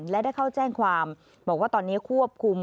และได้เข้าแจ้งความบอกว่าตอนนี้ควบคุม